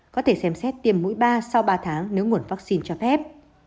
có thể xem xét tiêm mũi ba sau ba tháng nếu nguồn vaccine cho phép